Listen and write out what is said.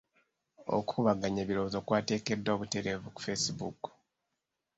Okukubaganya ebirowoozo kwateekeddwa butereevu ku facebook.